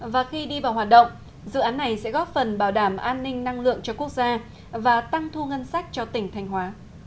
và khi đi vào hoạt động dự án này sẽ góp phần bảo đảm an ninh năng lượng cho quốc gia và tăng thu ngân sách cho tỉnh thanh hóa